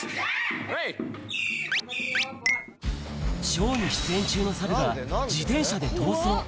ショーに出演中の猿が、自転車で逃走。